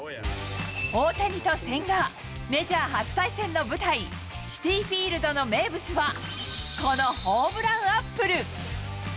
大谷と千賀、メジャー初対戦の舞台、シティ・フィールドの名物は、このホームラン・アップル。